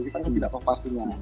kita tidak tahu pastinya